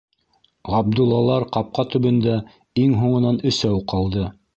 Ғабдуллалар ҡапҡа төбөндә иң һуңынан өсәү ҡалды.